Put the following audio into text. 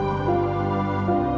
pak pak pak pak